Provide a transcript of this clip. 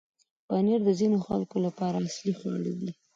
پنېر د ځینو خلکو لپاره اصلي خواړه دی.